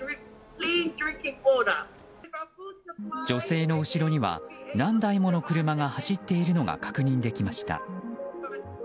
女性の後ろには、何台もの車が走っているのが確認できました。